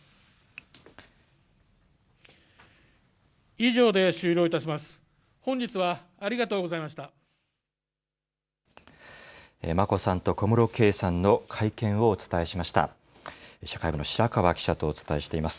以上で終了いたします。